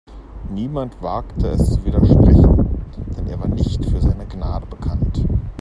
Niemand wagte es zu widersprechen, denn er war nicht für seine Gnade bekannt.